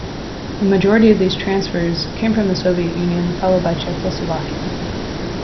The majority of these transfers came from the Soviet Union, followed by Czechoslovakia.